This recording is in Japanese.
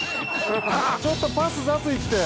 ちょっとパス雑いって！